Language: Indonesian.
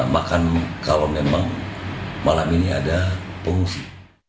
makan kalau memang malam ini ada pengungsi